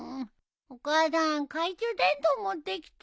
お母さん懐中電灯持ってきて。